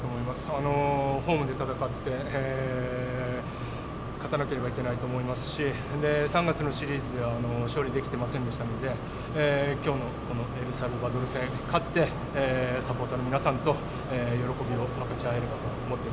ホームで戦って勝たなければいけないと思いますし３月のシリーズでは勝利できていませんでしたので今日のエルサルバドル戦勝って日本代表